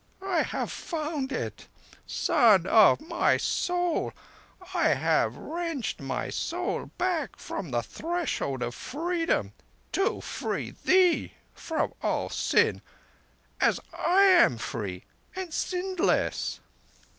I have found it. Son of my Soul, I have wrenched my Soul back from the Threshold of Freedom to free thee from all sin—as I am free, and sinless!